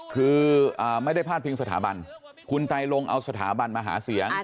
คือไม่ได้พาดพิงสถาบันคุณไตรลงเอาสถาบันมาหาเสียง